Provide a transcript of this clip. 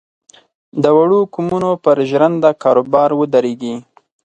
د وړو قومونو پر ژرنده کاروبار ودرېږي.